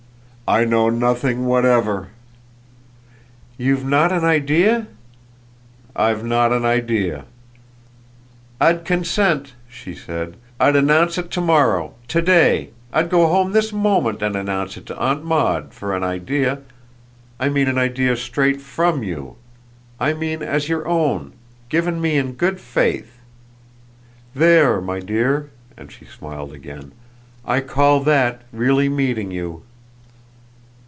"I know nothing whatever." "You've not an idea?" "I've not an idea." "I'd consent," she said "I'd announce it to morrow, to day, I'd go home this moment and announce it to Aunt Maud, for an idea: I mean an idea straight FROM you, I mean as your own, given me in good faith. There, my dear!" and she smiled again. "I call that really meeting you."